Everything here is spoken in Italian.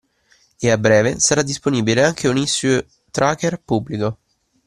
E a breve sarà disponibile anche un issue tracker pubblico.